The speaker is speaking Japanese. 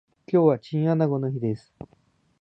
今日はチンアナゴの日です